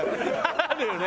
あるよね。